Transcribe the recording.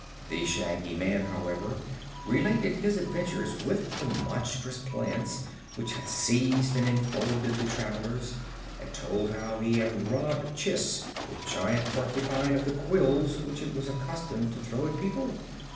The Shaggy Man, however, related his adventures with the monstrous plants which had seized and enfolded the travelers, and told how he had robbed Chiss, the giant porcupine, of the quills which it was accustomed to throw at people.